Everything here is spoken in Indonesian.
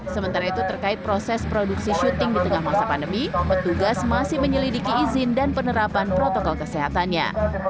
sementara itu terkait proses produksi syuting di tengah masa pandemi petugas masih menyelidiki izin dan penerapan protokol kesehatannya